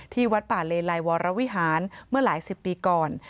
วัดป่าเลไลวรวิหารเมื่อหลายสิบปีก่อน